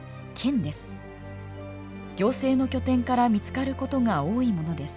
行政の拠点から見つかることが多いものです。